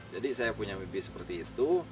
jadi saya punya mimpi seperti itu